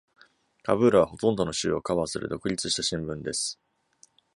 カブールは、ほとんどの州をカバーする独立した新聞です。